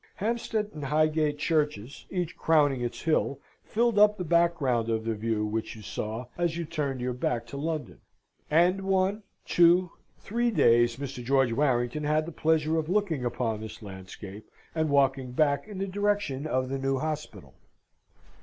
Hampstead and Highgate churches, each crowning its hill, filled up the background of the view which you saw as you turned your back to London; and one, two, three days Mr. George Warrington had the pleasure of looking upon this landscape, and walking back in the direction of the new hospital.